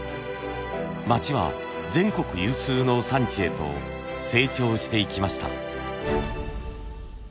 町は全国有数の産地へと成長していきました。